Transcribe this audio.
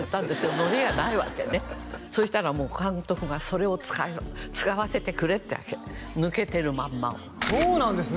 のりがないわけねそしたらもう監督が「それを使わせてくれ」ってわけ抜けてるまんまをそうなんですね